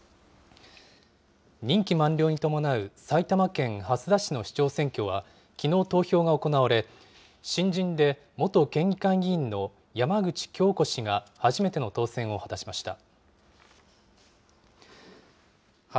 任期満了に伴う埼玉県蓮田市の市長選挙は、きのう投票が行われ、新人で元県議会議員の山口京子氏が初めての当選を果たしました。